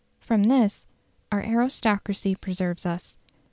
From this our aristocracy preserves us.